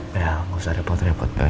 bel nggak usah repot repot bel